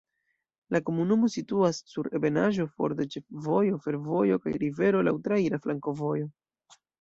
La komunumo situas sur ebenaĵo for de ĉefvojo, fervojo kaj rivero, laŭ traira flankovojo.